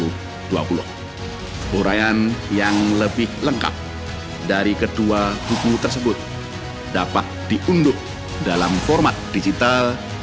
uraian yang lebih lengkap dari kedua buku tersebut dapat diunduh dalam format digital